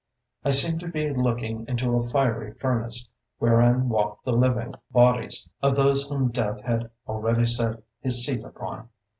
I seemed to be looking into a fiery furnace, wherein walked the living bodies of those whom Death had already set his seal upon.